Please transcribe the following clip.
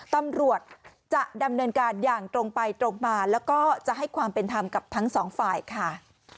ตำรวจจะดำเนินการอย่างตรงไปตรงมาแล้วก็จะให้ความเป็นธรรมกับทั้งสองฝ่ายค่ะ